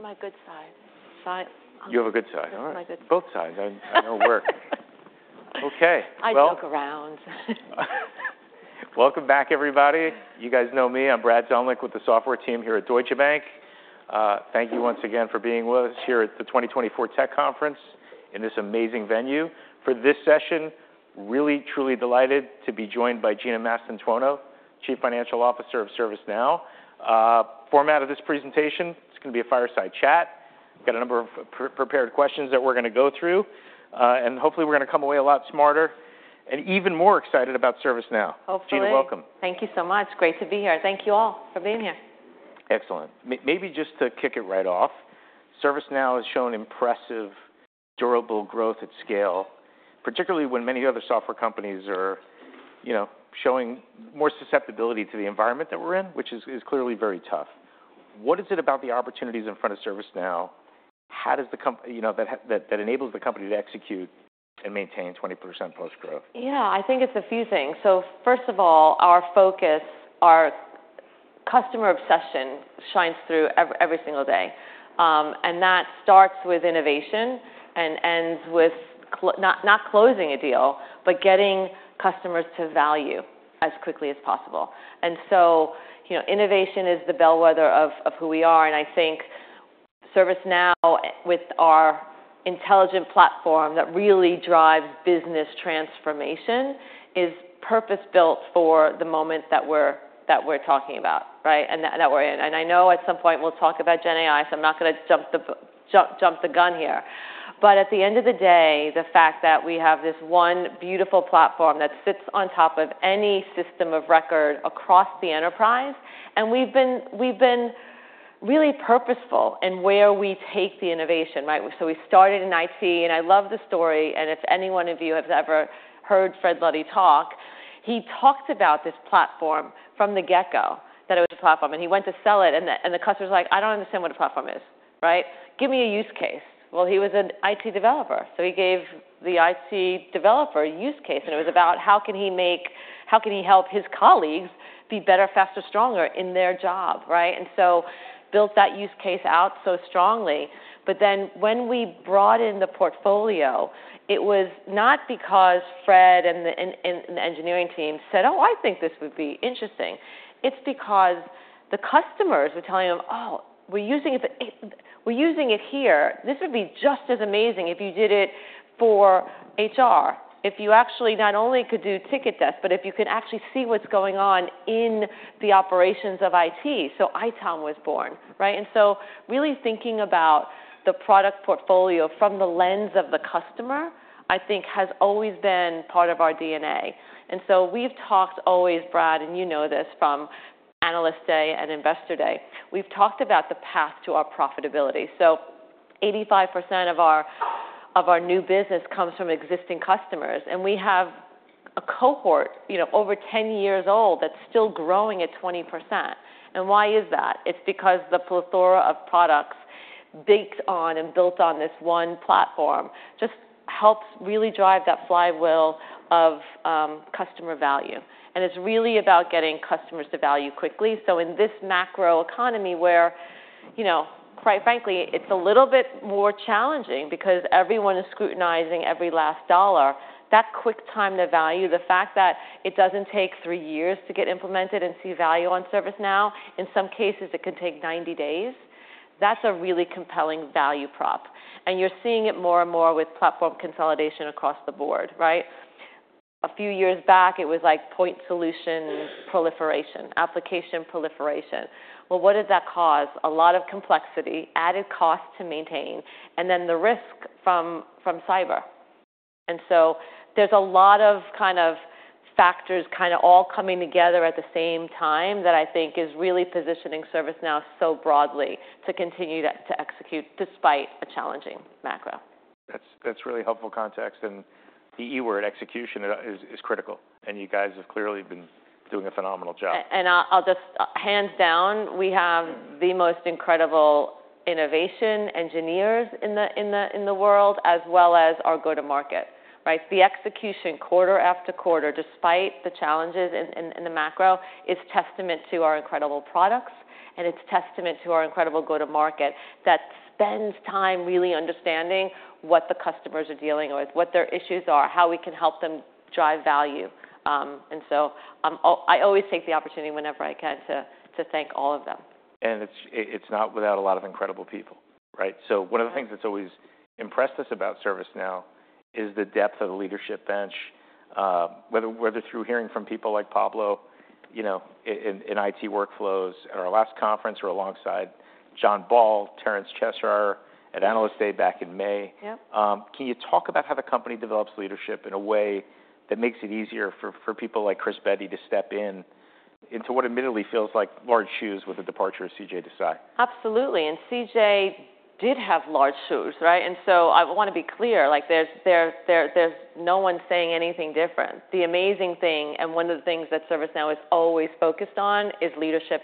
My good side. You have a good side? All right. My good- Both sides, I know it work. Okay, well- I look around. Welcome back, everybody. You guys know me, I'm Brad Zelnick with the software team here at Deutsche Bank. Thank you once again for being with us here at the twenty twenty-four tech conference in this amazing venue. For this session, really, truly delighted to be joined by Gina Mastantuono, Chief Financial Officer of ServiceNow. Format of this presentation, it's gonna be a fireside chat. Got a number of prepared questions that we're gonna go through, and hopefully, we're gonna come away a lot smarter and even more excited about ServiceNow. Hopefully. Gina, welcome. Thank you so much. Great to be here. Thank you all for being here. Excellent. Maybe just to kick it right off, ServiceNow has shown impressive, durable growth at scale, particularly when many other software companies are, you know, showing more susceptibility to the environment that we're in, which is clearly very tough. What is it about the opportunities in front of ServiceNow, how does the company, you know, that enables the company to execute and maintain 20% post growth? Yeah, I think it's a few things. So first of all, our focus, our customer obsession shines through every single day. And that starts with innovation and ends with not closing a deal, but getting customers to value as quickly as possible. And so, you know, innovation is the bellwether of who we are, and I think ServiceNow, with our intelligent platform that really drives business transformation, is purpose-built for the moment that we're talking about, right? And that we're in. And I know at some point we'll talk about GenAI, so I'm not gonna jump the gun here. But at the end of the day, the fact that we have this one beautiful platform that sits on top of any system of record across the enterprise, and we've been really purposeful in where we take the innovation, right? So we started in IT, and I love the story, and if any one of you have ever heard Fred Luddy talk, he talked about this platform from the get-go, that it was a platform, and he went to sell it, and the customer was like: "I don't understand what a platform is," right? "Give me a use case." Well, he was an IT developer, so he gave the IT developer a use case, and it was about how can he help his colleagues be better, faster, stronger in their job, right? And so built that use case out so strongly. But then, when we brought in the portfolio, it was not because Fred and the engineering team said, "Oh, I think this would be interesting." It's because the customers were telling them, "Oh, we're using it. We're using it here. This would be just as amazing if you did it for HR, if you actually not only could do help desk, but if you could actually see what's going on in the operations of IT." So ITOM was born, right? And so really thinking about the product portfolio from the lens of the customer, I think, has always been part of our DNA. And so we've talked always, Brad, and you know this from Analyst Day and Investor Day, we've talked about the path to our profitability. So 85% of our new business comes from existing customers, and we have a cohort, you know, over 10 years old, that's still growing at 20%. And why is that? It's because the plethora of products baked on and built on this one platform just helps really drive that flywheel of customer value. And it's really about getting customers to value quickly. So in this macro economy where, you know, quite frankly, it's a little bit more challenging because everyone is scrutinizing every last dollar, that quick time to value, the fact that it doesn't take 3 years to get implemented and see value on ServiceNow, in some cases, it can take 90 days, that's a really compelling value prop. And you're seeing it more and more with platform consolidation across the board, right? A few years back, it was like point solution proliferation, application proliferation. Well, what does that cause? A lot of complexity, added cost to maintain, and then the risk from cyber. And so there's a lot of kind of factors kind of all coming together at the same time that I think is really positioning ServiceNow so broadly to continue to execute despite a challenging macro. That's really helpful context, and the E word, execution, is critical, and you guys have clearly been doing a phenomenal job. Hands down, we have the most incredible innovation engineers in the world, as well as our go-to-market, right? The execution quarter after quarter, despite the challenges in the macro, is testament to our incredible products, and it's testament to our incredible go-to-market that spends time really understanding what the customers are dealing with, what their issues are, how we can help them drive value. So, I always take the opportunity whenever I can to thank all of them. It's not without a lot of incredible people, right? One of the things that's always impressed us about ServiceNow is the depth of the leadership bench, whether through hearing from people like Pablo, you know, in IT Workflows at our last conference, or alongside John Ball, Terence Cheshire, at Analyst Day back in May. Yep. Can you talk about how the company develops leadership in a way that makes it easier for people like Chris Bedi to step in, into what admittedly feels like large shoes with the departure of CJ Desai? Absolutely. And CJ did have large shoes, right? And so I wanna be clear, like, there's no one saying anything different. The amazing thing, and one of the things that ServiceNow is always focused on, is leadership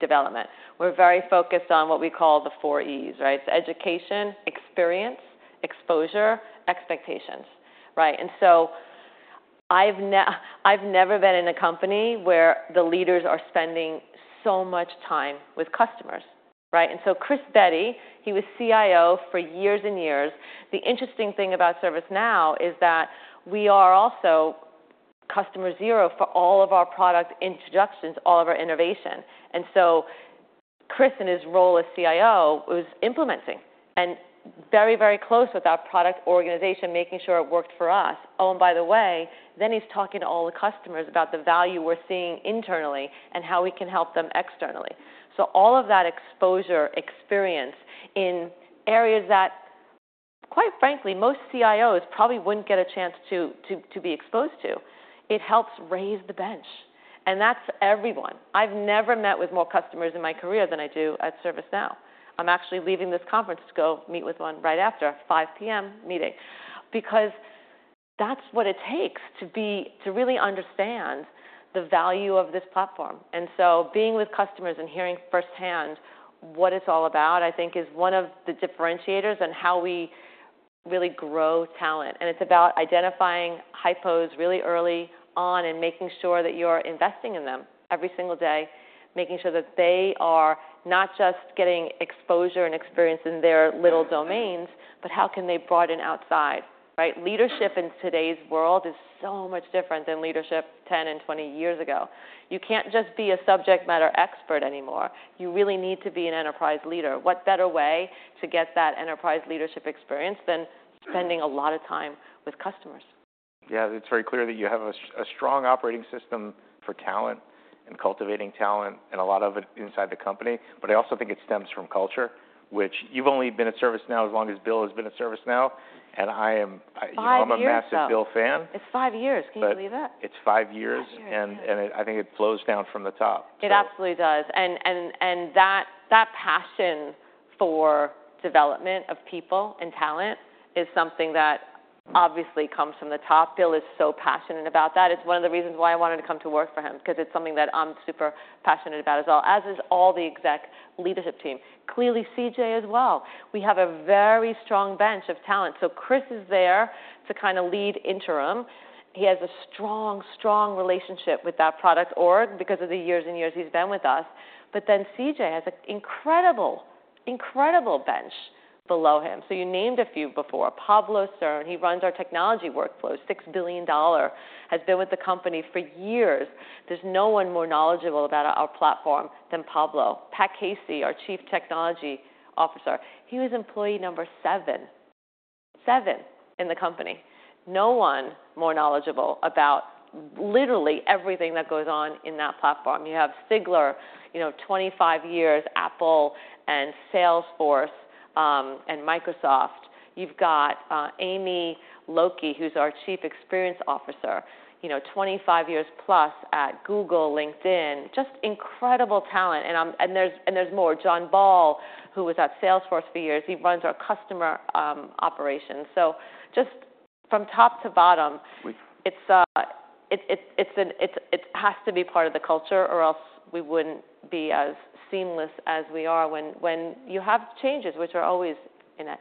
development. We're very focused on what we call the four E's, right? Education, experience, exposure, expectations, right? And so I've never been in a company where the leaders are spending so much time with customers, right? And so Chris Bedi, he was CIO for years and years. The interesting thing about ServiceNow is that we are also customer zero for all of our product introductions, all of our innovation. And so Chris, in his role as CIO, was implementing and very, very close with our product organization, making sure it worked for us. Oh, and by the way, then he's talking to all the customers about the value we're seeing internally and how we can help them externally, so all of that exposure experience in areas that, quite frankly, most CIOs probably wouldn't get a chance to be exposed to, it helps raise the bench, and that's everyone. I've never met with more customers in my career than I do at ServiceNow. I'm actually leaving this conference to go meet with one right after, 5 P.M. meeting. Because that's what it takes to really understand the value of this platform, and so being with customers and hearing firsthand what it's all about, I think, is one of the differentiators and how we really grow talent. It's about identifying hypos really early on and making sure that you're investing in them every single day, making sure that they are not just getting exposure and experience in their little domains, but how can they broaden outside, right? Leadership in today's world is so much different than leadership ten and twenty years ago. You can't just be a subject matter expert anymore. You really need to be an enterprise leader. What better way to get that enterprise leadership experience than spending a lot of time with customers? Yeah, it's very clear that you have a strong operating system for talent and cultivating talent, and a lot of it inside the company. But I also think it stems from culture, which you've only been at ServiceNow as long as Bill has been at ServiceNow, and I am- Five years, though. You know, I'm a massive Bill fan. It's five years. Can you believe that? It's five years- Five years -and I think it flows down from the top. It absolutely does. That passion for development of people and talent is something that obviously comes from the top. Bill is so passionate about that. It's one of the reasons why I wanted to come to work for him, because it's something that I'm super passionate about as well, as is all the exec leadership team. Clearly, CJ as well. We have a very strong bench of talent. So Chris is there to kind of lead interim. He has a strong relationship with that product org because of the years and years he's been with us. But then CJ has an incredible bench below him. So you named a few before. Pablo Stern, he runs our Technology Workflows, six-billion-dollar, has been with the company for years. There's no one more knowledgeable about our platform than Pablo. Pat Casey, our Chief Technology Officer, he was employee number seven in the company. No one more knowledgeable about literally everything that goes on in that platform. You have Sigler, you know, twenty-five years, Apple and Salesforce, and Microsoft. You've got Amy Lokey, who's our Chief Experience Officer, you know, twenty-five years plus at Google, LinkedIn. Just incredible talent. And there's more. John Ball, who was at Salesforce for years, he runs our customer operations. So just from top to bottom- Great -it's. It has to be part of the culture, or else we wouldn't be as seamless as we are when you have changes, which are always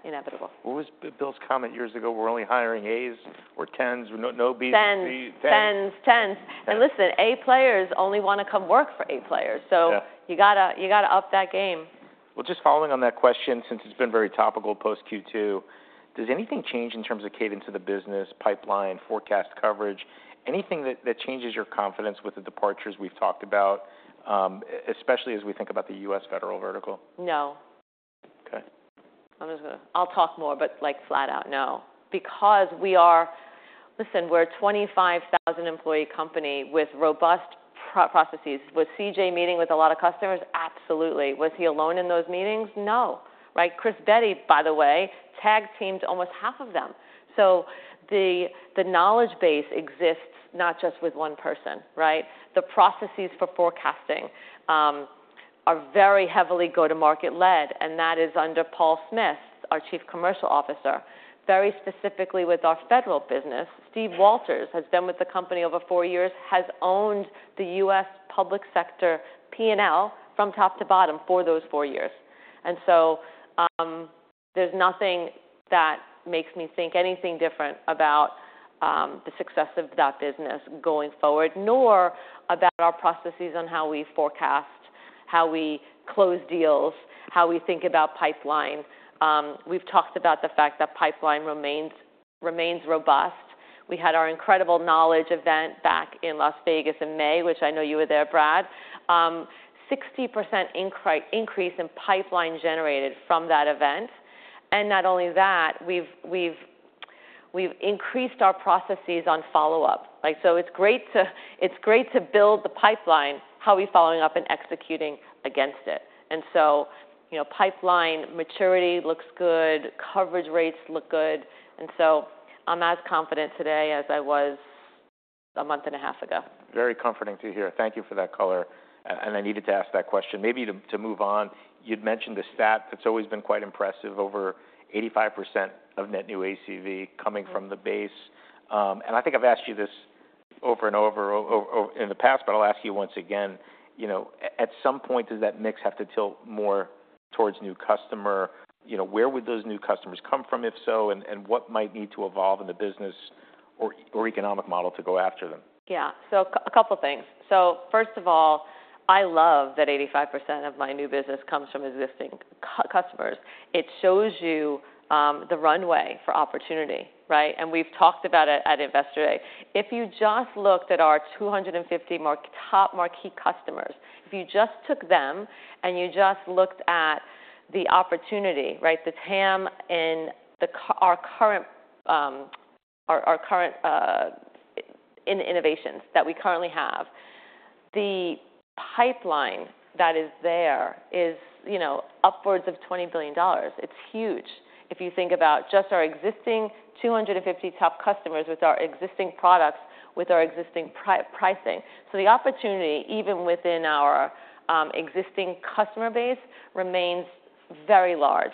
inevitable. What was Bill's comment years ago? We're only hiring A's or tens, no, no B's, C- Tens. Tens. Tens, tens. And listen, A players only wanna come work for A players- Yeah -so you gotta, you gotta up that game. Just following on that question, since it's been very topical post Q2, does anything change in terms of cadence of the business, pipeline, forecast coverage? Anything that changes your confidence with the departures we've talked about, especially as we think about the U.S. federal vertical? No. Okay. I'll talk more, but, like, flat out, no. Because we are... Listen, we're a twenty-five thousand employee company with robust processes. Was CJ meeting with a lot of customers? Absolutely. Was he alone in those meetings? No. Right. Chris Bedi, by the way, tag-teamed almost half of them. So the knowledge base exists not just with one person, right? The processes for forecasting are very heavily go-to-market led, and that is under Paul Smith, our Chief Commercial Officer, very specifically with our federal business. Steve Walters has been with the company over four years, has owned the U.S. public sector P&L from top to bottom for those four years. And so, there's nothing that makes me think anything different about the success of that business going forward, nor about our processes on how we forecast, how we close deals, how we think about pipeline. We've talked about the fact that pipeline remains robust. We had our incredible Knowledge event back in Las Vegas in May, which I know you were there, Brad. 60% increase in pipeline generated from that event. And not only that, we've increased our processes on follow-up. Like, so it's great to build the pipeline, how are we following up and executing against it? And so, you know, pipeline maturity looks good, coverage rates look good, and so I'm as confident today as I was a month and a half ago. Very comforting to hear. Thank you for that color, and I needed to ask that question. Maybe to move on, you'd mentioned the stat that's always been quite impressive, over 85% of net new ACV coming from the base. And I think I've asked you this over and over or in the past, but I'll ask you once again, you know, at some point, does that mix have to tilt more towards new customer, you know, where would those new customers come from, if so, and what might need to evolve in the business or economic model to go after them? Yeah. A couple things. First of all, I love that 85% of my new business comes from existing customers. It shows you the runway for opportunity, right? We've talked about it at Investor Day. If you just looked at our 250 more top marquee customers, if you just took them, and you just looked at the opportunity, right, the TAM in our current innovations that we currently have, the pipeline that is there is, you know, upwards of $20 billion. It's huge. If you think about just our existing 250 top customers with our existing products, with our existing pricing. The opportunity, even within our existing customer base, remains very large.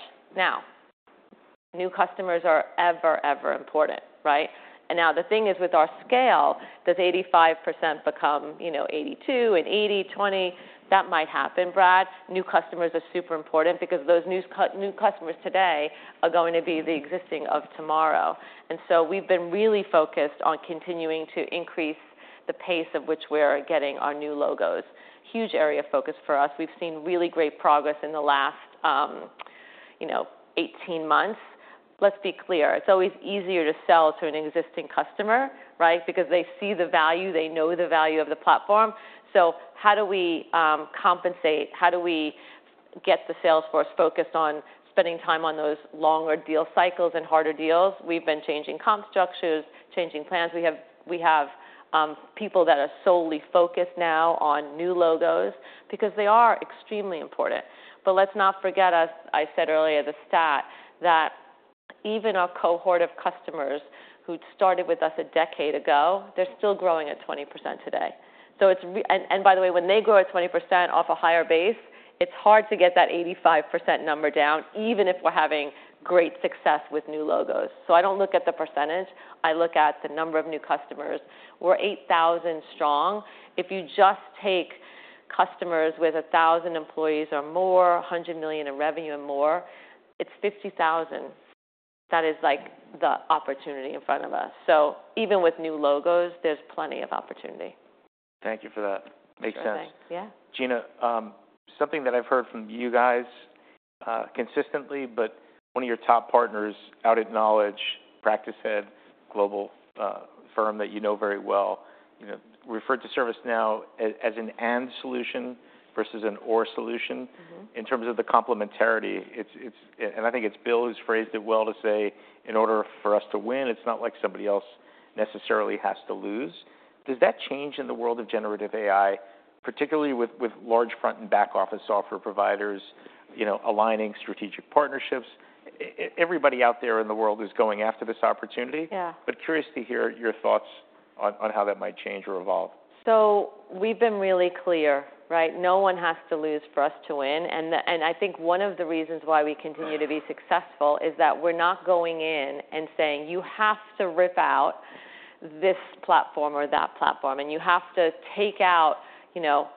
New customers are very important, right? Now the thing is, with our scale, does 85% become, you know, 82 and 80, 20? That might happen, Brad. New customers are super important because those new customers today are going to be the existing of tomorrow. So we've been really focused on continuing to increase the pace of which we're getting our new logos. Huge area of focus for us. We've seen really great progress in the last, you know, 18 months. Let's be clear, it's always easier to sell to an existing customer, right? Because they see the value, they know the value of the platform. So how do we compensate? How do we get the sales force focused on spending time on those longer deal cycles and harder deals? We've been changing comp structures, changing plans. We have people that are solely focused now on new logos because they are extremely important. But let's not forget, as I said earlier, the stat, that even our cohort of customers who started with us a decade ago, they're still growing at 20% today. So it's, and by the way, when they grow at 20% off a higher base, it's hard to get that 85% number down, even if we're having great success with new logos. So I don't look at the percentage, I look at the number of new customers. We're 8,000 strong. If you just take customers with 1,000 employees or more, $100 million in revenue or more, it's 50,000. That is, like, the opportunity in front of us. So even with new logos, there's plenty of opportunity. Thank you for that. Makes sense. Yeah. Gina, something that I've heard from you guys consistently, but one of your top partners, Accenture Practice Head, global firm that you know very well, you know, referred to ServiceNow as an and solution versus an or solution. Mm-hmm. In terms of the complementarity, it's. And I think it's Bill, who's phrased it well to say, "In order for us to win, it's not like somebody else necessarily has to lose." Does that change in the world of generative AI, particularly with large front and back office software providers, you know, aligning strategic partnerships? Everybody out there in the world is going after this opportunity. Yeah. But, curious to hear your thoughts on how that might change or evolve. So we've been really clear, right? No one has to lose for us to win. And I think one of the reasons why we continue to be successful is that we're not going in and saying, "You have to rip out this platform or that platform, and you have to take out, you know,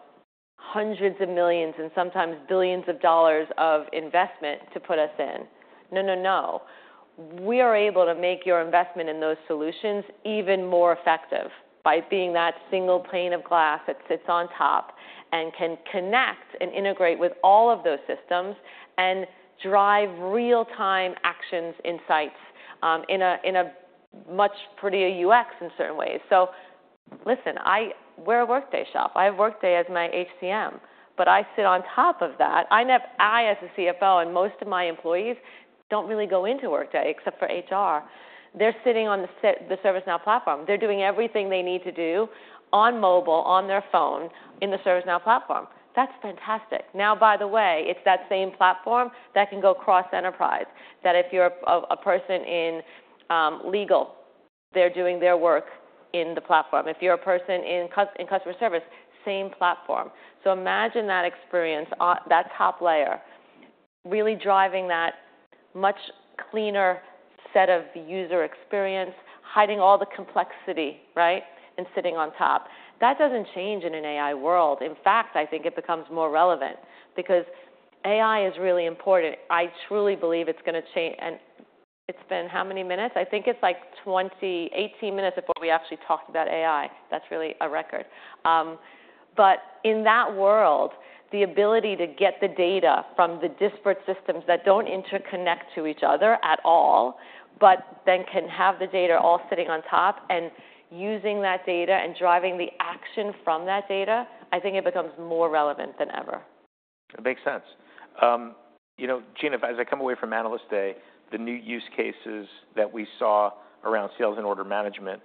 hundreds of millions, and sometimes billions of dollars of investment to put us in." No, no, no. We are able to make your investment in those solutions even more effective by being that single pane of glass that sits on top and can connect and integrate with all of those systems, and drive real-time actions, insights in a much prettier UX in certain ways. So listen, I work in a Workday shop. I have Workday as my HCM, but I sit on top of that. I, as a CFO, and most of my employees, don't really go into Workday except for HR. They're sitting on the ServiceNow platform. They're doing everything they need to do on mobile, on their phone, in the ServiceNow platform. That's fantastic. Now, by the way, it's that same platform that can go cross-enterprise, that if you're a person in legal, they're doing their work in the platform. If you're a person in customer service, same platform. So imagine that experience on that top layer, really driving that much cleaner set of user experience, hiding all the complexity, right, and sitting on top. That doesn't change in an AI world. In fact, I think it becomes more relevant because AI is really important. I truly believe it's gonna change. And it's been how many minutes? I think it's like twenty, eighteen minutes before we actually talked about AI. That's really a record, but in that world, the ability to get the data from the disparate systems that don't interconnect to each other at all, but then can have the data all sitting on top and using that data and driving the action from that data, I think it becomes more relevant than ever. It makes sense. You know, Gina, as I come away from Analyst Day, the new use cases that we saw around Sales and Order Management,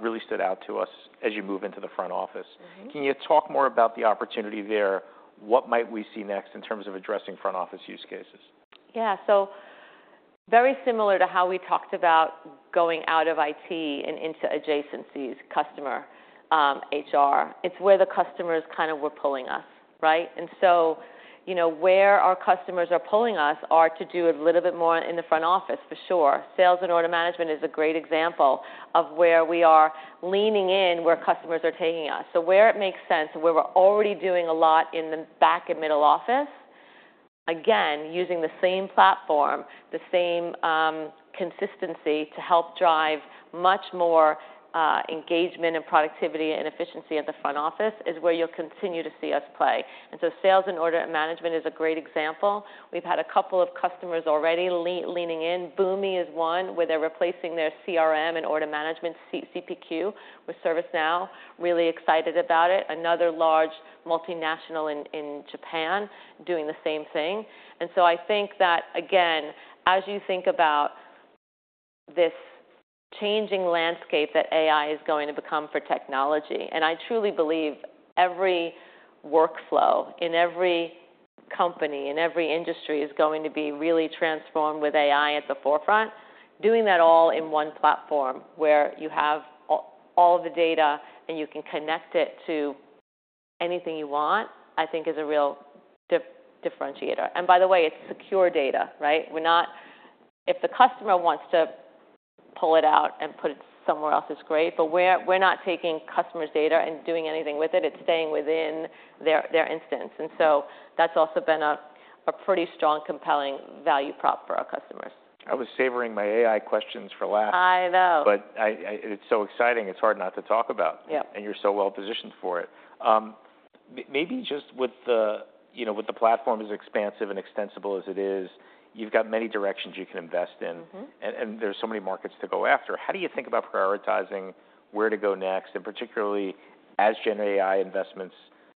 really stood out to us as you move into the front office. Mm-hmm. Can you talk more about the opportunity there? What might we see next in terms of addressing front office use cases? Yeah. So very similar to how we talked about going out of IT and into adjacencies, customer, HR, it's where the customers kind of were pulling us, right? And so, you know, where our customers are pulling us are to do a little bit more in the front office for sure. Sales and order management is a great example of where we are leaning in, where customers are taking us. So where it makes sense, where we're already doing a lot in the back and middle office, again, using the same platform, the same consistency to help drive much more engagement and productivity and efficiency at the front office is where you'll continue to see us play. And so sales and order management is a great example. We've had a couple of customers already leaning in. Boomi is one, where they're replacing their CRM and order management CPQ with ServiceNow, really excited about it. Another large multinational in Japan doing the same thing, and so I think that, again, as you think about this changing landscape that AI is going to become for technology, and I truly believe every workflow in every company, in every industry, is going to be really transformed with AI at the forefront. Doing that all in one platform, where you have all the data and you can connect it to anything you want, I think is a real differentiator, and by the way, it's secure data, right? We're not. If the customer wants to pull it out and put it somewhere else, it's great, but we're not taking customers' data and doing anything with it. It's staying within their instance. And so that's also been a pretty strong, compelling value prop for our customers. I was savoring my AI questions for last. I know. But it's so exciting, it's hard not to talk about. Yeah. And you're so well-positioned for it. Maybe just with the, you know, with the platform as expansive and extensible as it is, you've got many directions you can invest in- Mm-hmm. And there's so many markets to go after. How do you think about prioritizing where to go next, and particularly as GenAI investments,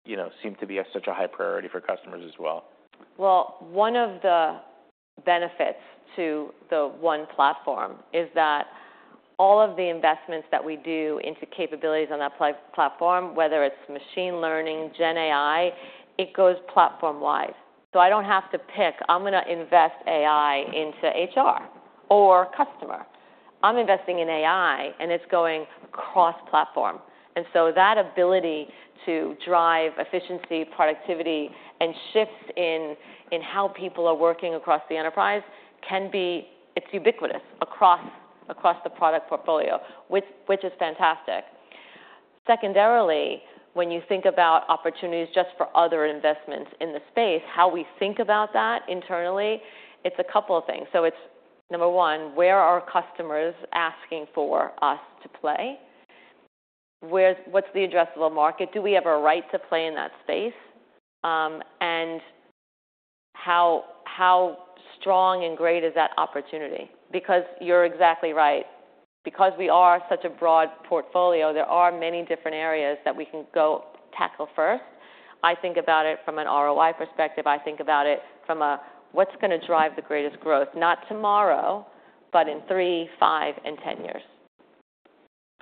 you know, seem to be of such a high priority for customers as well? Well, one of the benefits to the one platform is that all of the investments that we do into capabilities on that platform, whether it's machine learning, GenAI, it goes platform-wide. So I don't have to pick, "I'm gonna invest AI into HR or customer." I'm investing in AI, and it's going cross-platform. And so that ability to drive efficiency, productivity, and shifts in how people are working across the enterprise can be. It's ubiquitous across the product portfolio, which is fantastic. Secondarily, when you think about opportunities just for other investments in the space, how we think about that internally, it's a couple of things. So it's number one, where are customers asking for us to play? What's the addressable market? Do we have a right to play in that space? And how strong and great is that opportunity? Because you're exactly right. Because we are such a broad portfolio, there are many different areas that we can go tackle first. I think about it from an ROI perspective. I think about it from a, "What's gonna drive the greatest growth? Not tomorrow, but in three, five, and ten years.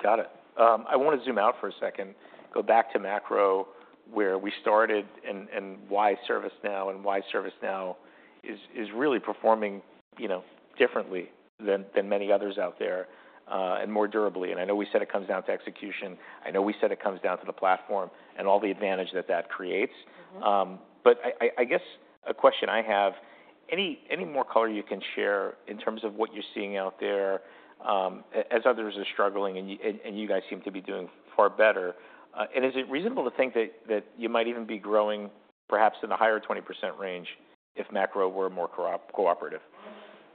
Got it. I wanna zoom out for a second, go back to macro, where we started, and why ServiceNow, and why ServiceNow is really performing, you know, differently than many others out there, and more durably. And I know we said it comes down to execution. I know we said it comes down to the platform and all the advantage that that creates. Mm-hmm. But I guess a question I have: any more color you can share in terms of what you're seeing out there, as others are struggling, and you guys seem to be doing far better? And is it reasonable to think that you might even be growing perhaps in the higher 20% range if macro were more cooperative?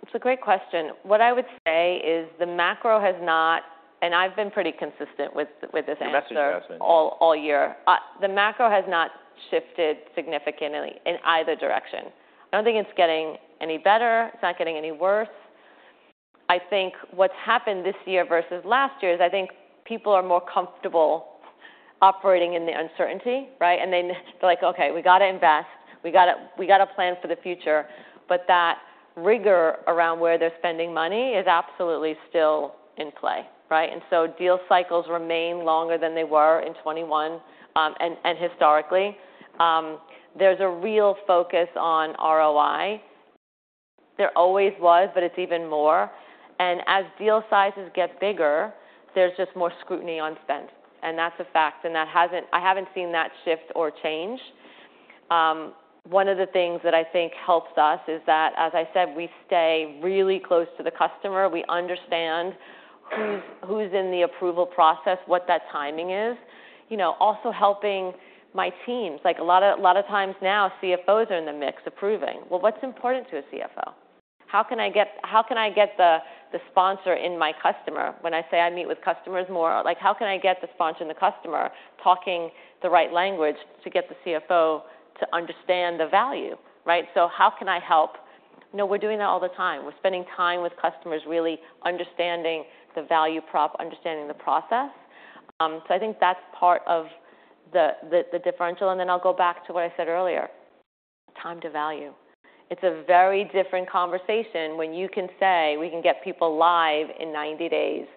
It's a great question. What I would say is the macro has not, and I've been pretty consistent with this answer. The message has been- All, all year. The macro has not shifted significantly in either direction. I don't think it's getting any better. It's not getting any worse. I think what's happened this year versus last year is I think people are more comfortable operating in the uncertainty, right? And they like, "Okay, we gotta invest. We gotta, we gotta plan for the future." But that rigor around where they're spending money is absolutely still in play, right? And so deal cycles remain longer than they were in 2021, and historically. There's a real focus on ROI. There always was, but it's even more, and as deal sizes get bigger, there's just more scrutiny on spend, and that's a fact, and that hasn't. I haven't seen that shift or change. One of the things that I think helps us is that, as I said, we stay really close to the customer. We understand who's in the approval process, what that timing is. You know, also helping my teams, like a lot of times now, CFOs are in the mix, approving. Well, what's important to a CFO? How can I get the sponsor and my customer when I say I meet with customers more? Like, how can I get the sponsor and the customer talking the right language to get the CFO to understand the value, right? So how can I help? You know, we're doing that all the time. We're spending time with customers, really understanding the value prop, understanding the process. So I think that's part of the differential. Then I'll go back to what I said earlier: time to value. It's a very different conversation when you can say, "We can get people live in ninety days,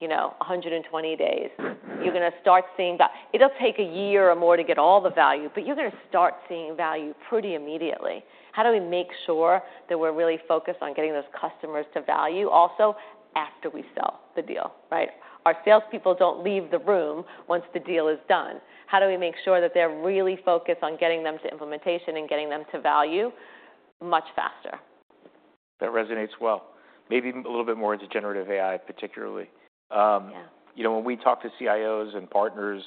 you know, a hundred and twenty days. Mm-hmm. You're gonna start seeing value. It'll take a year or more to get all the value, but you're gonna start seeing value pretty immediately. How do we make sure that we're really focused on getting those customers to value also after we sell the deal, right? Our salespeople don't leave the room once the deal is done. How do we make sure that they're really focused on getting them to implementation and getting them to value much faster? That resonates well, maybe even a little bit more into generative AI, particularly. Yeah. You know, when we talk to CIOs and partners,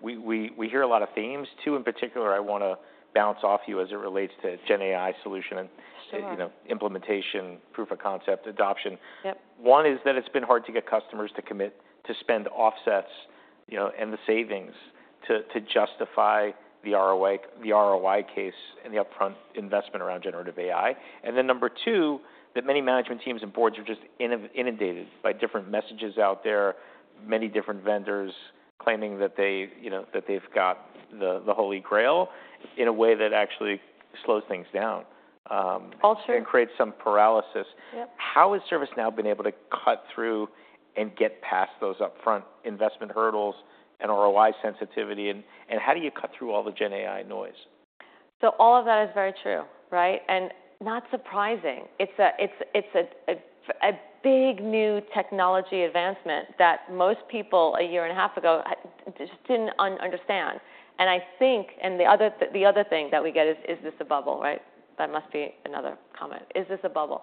we hear a lot of themes, too. In particular, I wanna bounce off you as it relates to GenAI solution and- Sure. You know, implementation, proof of concept, adoption. Yep. One is that it's been hard to get customers to commit to spend offsets, you know, and the savings to justify the ROI case and the upfront investment around generative AI. And then number two, that many management teams and boards are just inundated by different messages out there, many different vendors claiming that they, you know, that they've got the Holy Grail in a way that actually slows things down. All true And creates some paralysis. Yep. How has ServiceNow been able to cut through and get past those upfront investment hurdles and ROI sensitivity, and how do you cut through all the gen AI noise? So all of that is very true, right? And not surprising. It's a big new technology advancement that most people a year and a half ago just didn't understand. And the other thing that we get is: Is this a bubble, right? That must be another comment. Is this a bubble?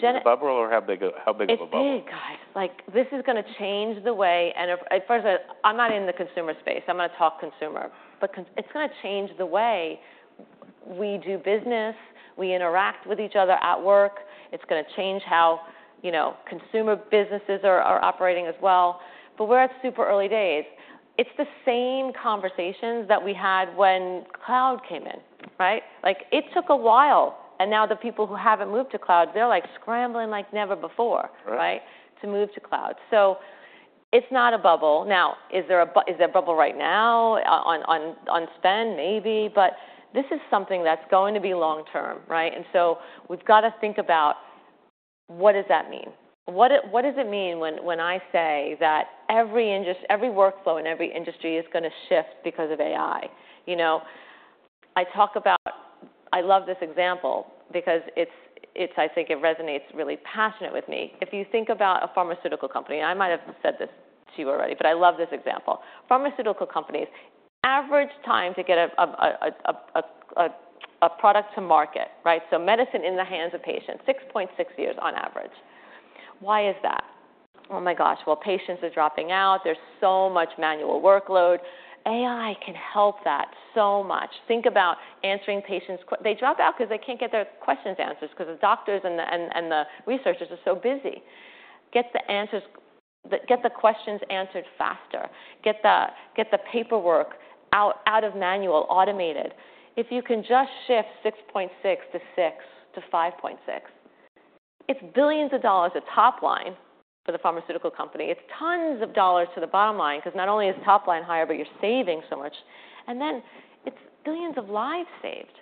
Gen- Is it a bubble, or how big of a bubble? It's big, guys. Like, this is gonna change the way... And first of all, I'm not in the consumer space. I'm gonna talk consumer. But con- it's gonna change the way we do business, we interact with each other at work. It's gonna change how, you know, consumer businesses are operating as well. But we're at super early days. It's the same conversations that we had when cloud came in, right? Like, it took a while, and now the people who haven't moved to cloud, they're, like, scrambling like never before- Right -right, to move to cloud. So it's not a bubble. Now, is there a bubble right now on spend? Maybe, but this is something that's going to be long term, right? And so we've gotta think about what does that mean. What does it mean when I say that every workflow in every industry is gonna shift because of AI, you know? I talk about... I love this example because it's I think it resonates really passionate with me. If you think about a pharmaceutical company, I might have said this to you already, but I love this example. Pharmaceutical companies, average time to get a product to market, right? So medicine in the hands of patients, 6.6 years on average. Why is that? Oh, my gosh. Patients are dropping out. There's so much manual workload. AI can help that so much. Think about answering patients' questions. They drop out 'cause they can't get their questions answered, 'cause the doctors and the researchers are so busy. Get the answers, get the questions answered faster, get the paperwork out of manual, automated. If you can just shift six point six to five point six, it's billions of dollars of top line for the pharmaceutical company. It's tons of dollars to the bottom line, 'cause not only is the top line higher, but you're saving so much, and then it's billions of lives saved,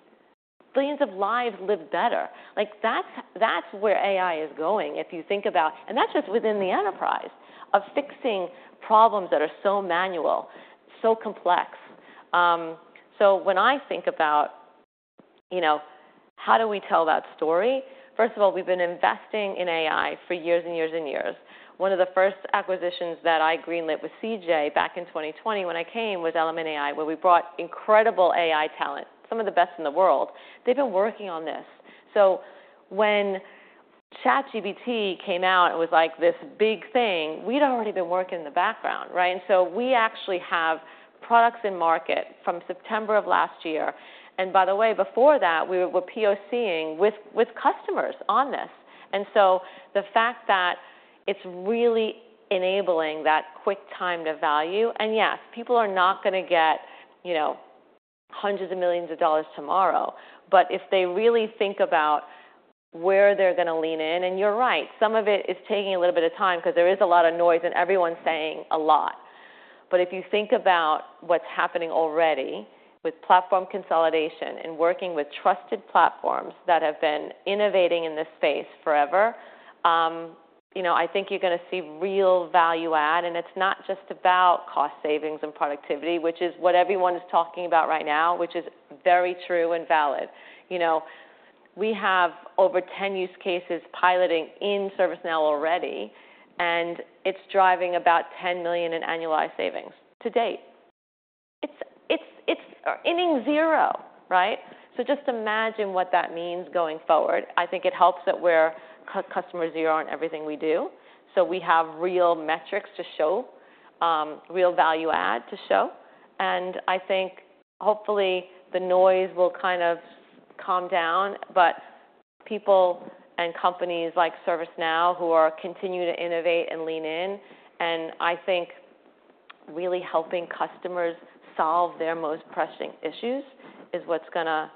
billions of lives lived better. Like, that's where AI is going. If you think about... That's just within the enterprise, of fixing problems that are so manual, so complex. So when I think about, you know, how do we tell that story? First of all, we've been investing in AI for years and years and years. One of the first acquisitions that I greenlit with CJ back in 2020 when I came, was Element AI, where we brought incredible AI talent, some of the best in the world. They've been working on this. So when ChatGPT came out, it was like this big thing. We'd already been working in the background, right? And so we actually have products in market from September of last year. And by the way, before that, we were POC-ing with, with customers on this. And so the fact that it's really enabling that quick time to value, and yes, people are not gonna get, you know, hundreds of millions of dollars tomorrow. But if they really think about where they're gonna lean in, and you're right, some of it is taking a little bit of time, 'cause there is a lot of noise, and everyone's saying a lot. But if you think about what's happening already with platform consolidation and working with trusted platforms that have been innovating in this space forever, you know, I think you're gonna see real value add. And it's not just about cost savings and productivity, which is what everyone is talking about right now, which is very true and valid. You know, we have over 10 use cases piloting in ServiceNow already, and it's driving about $10 million in annualized savings to date. It's inning zero, right? So just imagine what that means going forward. I think it helps that we're customer zero in everything we do, so we have real metrics to show, real value add to show. And I think hopefully the noise will kind of calm down, but people and companies like ServiceNow, who are continuing to innovate and lean in, and I think really helping customers solve their most pressing issues, is what's gonna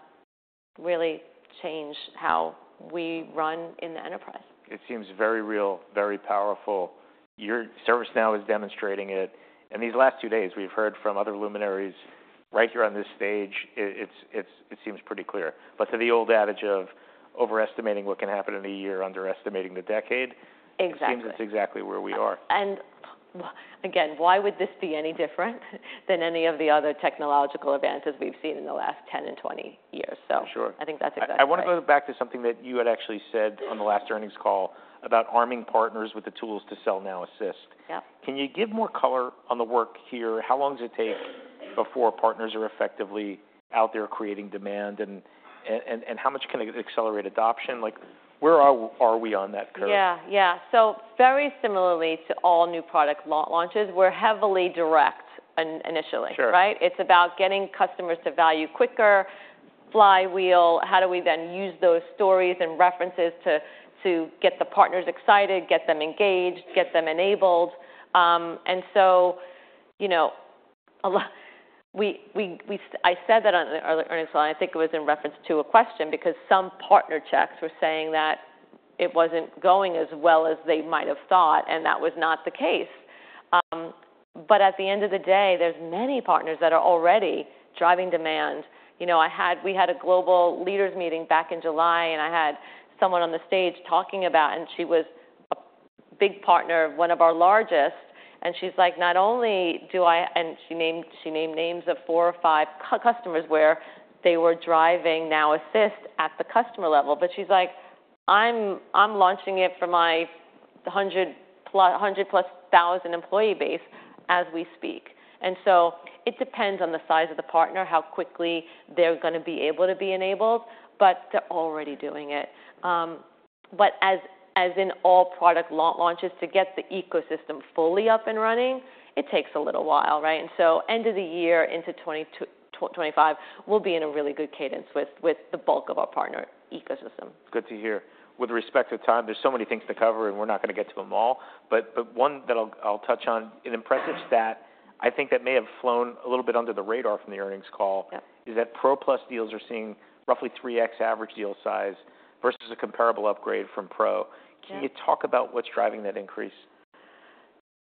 really change how we run in the enterprise. It seems very real, very powerful. ServiceNow is demonstrating it, and these last two days, we've heard from other luminaries right here on this stage. It seems pretty clear. But to the old adage of overestimating what can happen in a year, underestimating the decade- Exactly -it seems that's exactly where we are. Again, why would this be any different than any of the other technological advances we've seen in the last 10 and 20 years? So- Sure. I think that's exactly right. I wanna go back to something that you had actually said on the last earnings call about arming partners with the tools to sell Now Assist. Yep. Can you give more color on the work here? How long does it take before partners are effectively out there creating demand, and how much can it accelerate adoption? Like, where are we on that curve? Yeah, yeah. So very similarly to all new product launches, we're heavily direct initially. Sure. Right? It's about getting customers to value quicker, flywheel, how do we then use those stories and references to get the partners excited, get them engaged, get them enabled? And so, you know, a lot. We said that on the earnings call, and I think it was in reference to a question, because some partner checks were saying that it wasn't going as well as they might have thought, and that was not the case. But at the end of the day, there's many partners that are already driving demand. You know, I had, we had a global leaders meeting back in July, and I had someone on the stage talking about, and she was a big partner, one of our largest, and she's like: "Not only do I..." And she named, she named names of four or five customers where they were driving Now Assist at the customer level. But she's like: "I'm launching it for my hundred plus, hundred-plus thousand employee base as we speak." And so it depends on the size of the partner, how quickly they're gonna be able to be enabled, but they're already doing it. But as in all product launches, to get the ecosystem fully up and running, it takes a little while, right? End of the year into 2025, we'll be in a really good cadence with the bulk of our partner ecosystem. Good to hear. With respect to time, there's so many things to cover, and we're not gonna get to them all, but one that I'll touch on, an impressive stat I think that may have flown a little bit under the radar from the earnings call. Yep Is that Pro Plus deals are seeing roughly three X average deal size versus a comparable upgrade from Pro. Yeah. Can you talk about what's driving that increase?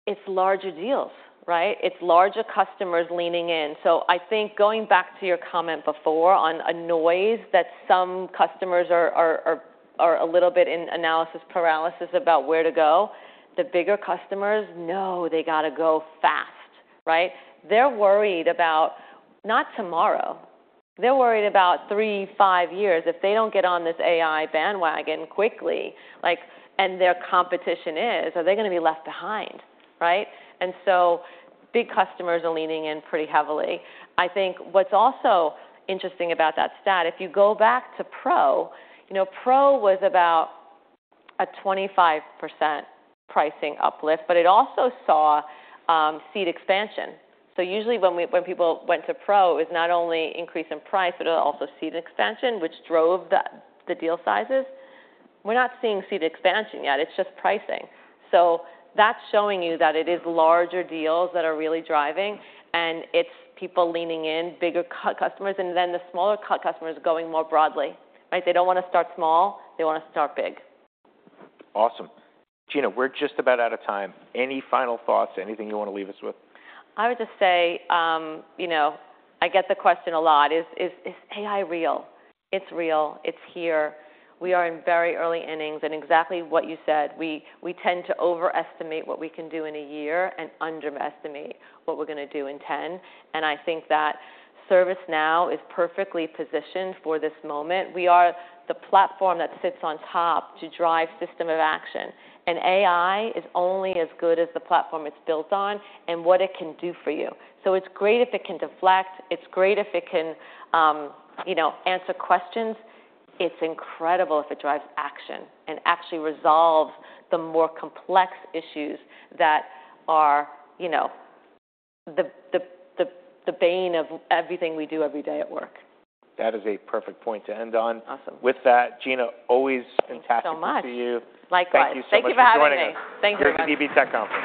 It's larger deals, right? It's larger customers leaning in. So I think going back to your comment before on a noise that some customers are a little bit in analysis paralysis about where to go, the bigger customers know they gotta go fast, right? They're worried about not tomorrow, they're worried about three, five years. If they don't get on this AI bandwagon quickly, like, and their competition is, are they gonna be left behind, right? And so big customers are leaning in pretty heavily. I think what's also interesting about that stat, if you go back to Pro, you know, Pro was about a 25% pricing uplift, but it also saw seat expansion. So usually when people went to Pro, it was not only increase in price, but it was also seat expansion, which drove the deal sizes. We're not seeing seat expansion yet, it's just pricing. So that's showing you that it is larger deals that are really driving, and it's people leaning in, bigger customers, and then the smaller customers going more broadly, right? They don't wanna start small, they wanna start big. Awesome. Gina, we're just about out of time. Any final thoughts? Anything you wanna leave us with? I would just say, you know, I get the question a lot, "Is AI real?" It's real. It's here. We are in very early innings, and exactly what you said, we tend to overestimate what we can do in a year and underestimate what we're gonna do in ten, and I think that ServiceNow is perfectly positioned for this moment. We are the platform that sits on top to drive system of action, and AI is only as good as the platform it's built on and what it can do for you. So it's great if it can deflect, it's great if it can, you know, answer questions. It's incredible if it drives action and actually resolves the more complex issues that are, you know, the bane of everything we do every day at work. That is a perfect point to end on. Awesome. With that, Gina, always fantastic to talk to you. Thank you so much. Likewise. Thank you so much for joining us. Thank you for having me. Thanks, everyone. For DB.com.